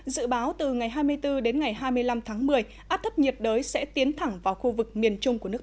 dự báo từ ngày hai mươi bốn đến ngày hai mươi năm tháng một mươi áp thấp nhiệt đới sẽ tiến thẳng vào khu vực miền trung của nước ta